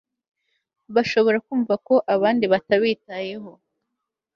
bashobora kumva ko abandi batabitayeho